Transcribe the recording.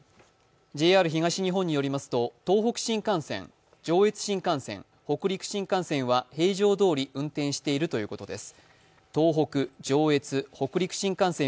ＪＲ東日本によりますと東北新幹線、上越新幹線北陸新幹線は平常どおり運転しているということです。